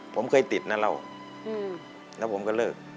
ผมเคยติดนะเล่าแล้วผมก็เลิก